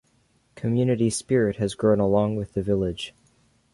Community spirit has grown along with the village.